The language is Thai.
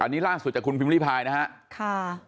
อันนี้ล่างสุดจากคุณพิมพ์รีพายนะฮะ